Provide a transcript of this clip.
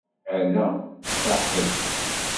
Ala, saḥit.